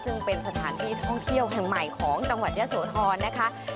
ซึ่งเป็นสถานที่ท่องเที่ยวแห่งใหม่ของจังหวัดยะโสธรนะคะ